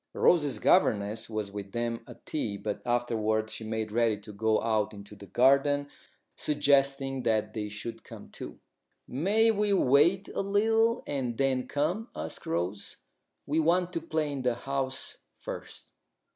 Rose's governess was with them at tea, but afterwards she made ready to go out into the garden, suggesting that they should come too. "May we wait a little and then come?" asked Rose. "We want to play in the house first."